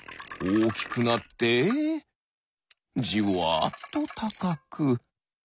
おおきくなってじわっとたかく。